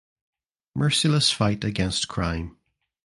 Merciless fight against crime.